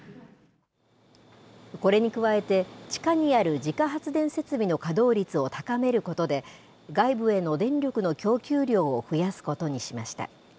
これに加えて、地下にある自家発電設備の稼働率を高めることで、外部への電力の供給量を増やすことにしました。